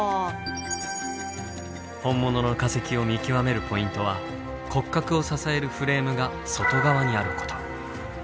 本物の化石を見極めるポイントは骨格を支えるフレームが外側にあること。